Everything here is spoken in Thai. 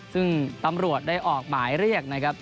ซึ่งตำรวจได้ออกหมายเรียกนะครับ